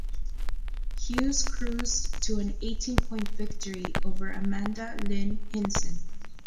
Hughes cruised to an eighteen point victory over Amanda Lynn Hinson.